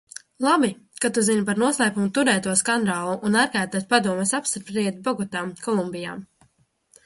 Labi, kā tu zini par noslēpumā turētu skandālu un ārkārtas padomes apspriedi Bogotā, Kolumbijā?